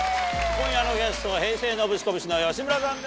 今夜のゲストは平成ノブシコブシの吉村さんです。